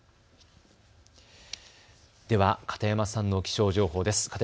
では片山さんの気象情報です。